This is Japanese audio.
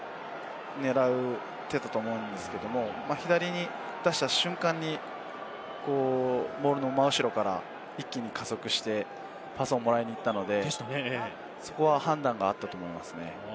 狙っていたと思うんですけど左に出した瞬間に、ボールの真後ろから一気に加速してパスをもらいに行ったので、そこは判断があったと思います。